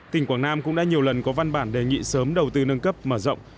tỉnh quảng nam cũng đã nhiều lần có văn bản đề nghị sớm đầu tư nâng cấp mở rộng